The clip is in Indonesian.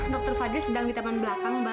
dokter fadhil sedang di taman belakang mbak